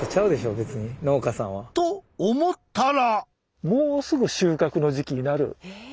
別に農家さんは。と思ったら！